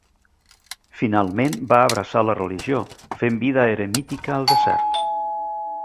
Finalment va abraçar la religió, fent vida eremítica al desert.